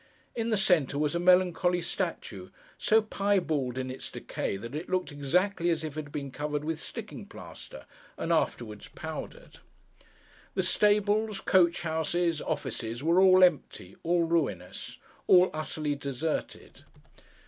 In the centre was a melancholy statue, so piebald in its decay, that it looked exactly as if it had been covered with sticking plaster, and afterwards powdered. The stables, coach houses, offices, were all empty, all ruinous, all utterly deserted.